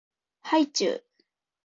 はいちゅう